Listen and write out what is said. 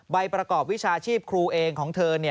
ใบประกอบวิชาชีพครูเองของเธอ